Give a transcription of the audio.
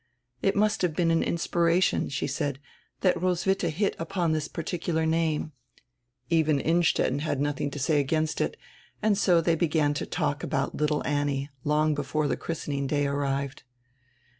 "It must have been an inspiration," she said, "that Roswitha hit upon diis particular name." Even Innstetten had nothing to say against it, and so diey began to talk about "little Annie" long before die christening day arrived.